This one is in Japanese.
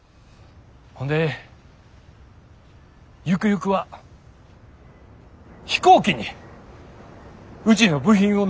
ほんでゆくゆくは飛行機にうちの部品を載せたい思てます。